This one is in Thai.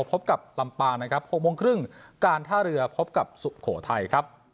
พบกับลำปางนะครับ๖โมงครึ่งการท่าเรือพบกับสุโขทัยครับ